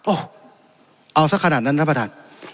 โอ้เอาสักขนาดนั้นนะประธาน